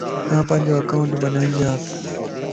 آن پانجو اڪائونٽ بنائيندياس